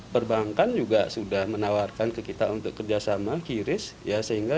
perbankan juga sudah menawarkan ke kita untuk kerjasama qris ya sehingga